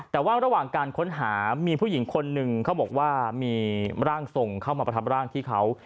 แต่ว่าระหว่างการค้นหามีผู้หญิงคนหนึ่งเขาบอกว่ามีร่างทรงเข้ามาประทับร่างที่เขา